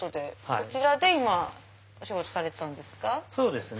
こちらでお仕事されてたんですか？